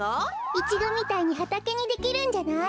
イチゴみたいにはたけにできるんじゃない？